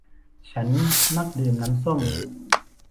ฉันมักดื่มน้ำส้ม